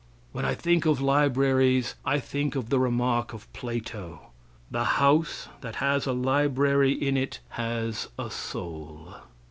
When I think of libraries, I think of the remark of Plato, "The house that has a library in it has a soul."